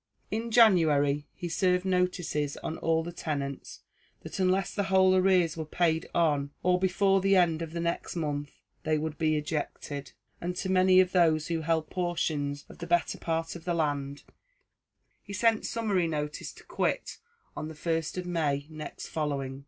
In January he served notices on all the tenants that unless the whole arrears were paid on or before the end of the next month, they would be ejected; and to many of those who held portions of the better part of the land, he sent summary notices to quit on the first of May next following.